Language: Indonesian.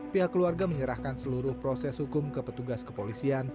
pihak keluarga menyerahkan seluruh proses hukum ke petugas kepolisian